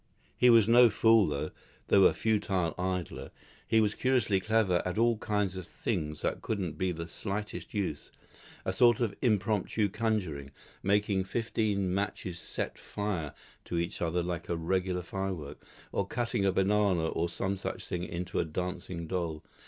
He was no fool though, though a futile idler; he was curiously clever at all kinds of things that couldn't be the slightest use; a sort of impromptu conjuring; making fifteen matches set fire to each other like a regular firework; or cutting a banana or some such thing into a dancing doll.